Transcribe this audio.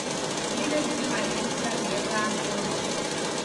Brigas de marido, da mesa à cama.